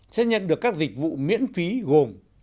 sẽ nhận được các dịch vụ miễn phí gồm